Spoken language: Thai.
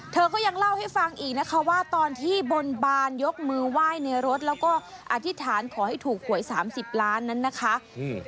เธอก็ยังเล่าให้ฟังอีกนะคะว่าตอนที่บนบานยกมือไหว้ในรถแล้วก็อธิษฐานขอให้ถูกหวยสามสิบล้านนั้นนะคะอืม